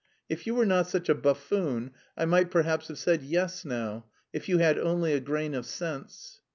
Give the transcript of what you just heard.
"If you were not such a buffoon I might perhaps have said yes now.... If you had only a grain of sense..."